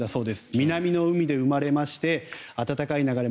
南の海で生まれまして暖かい流れ